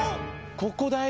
ここだよ